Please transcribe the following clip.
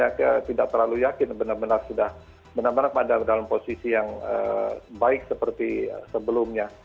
saya tidak terlalu yakin benar benar sudah benar benar pada dalam posisi yang baik seperti sebelumnya